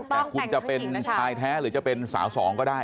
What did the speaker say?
แต่คุณจะเป็นชายแท้หรือจะเป็นสาวสองก็ได้